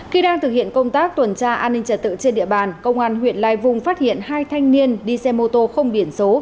khi đang thực hiện công tác tuần tra an ninh trật tự trên địa bàn công an huyện lai vung phát hiện hai thanh niên đi xe mô tô không biển số